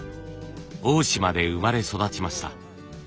大島で生まれ育ちました。